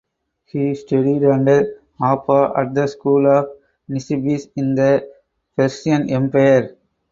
He studied under Aba at the school of Nisibis in the Persian Empire.